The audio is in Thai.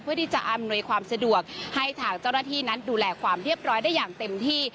ที่จะอำนวยความสะดวกให้ทางเจ้าหน้าที่นั้นดูแลความเรียบร้อยได้อย่างเต็มที่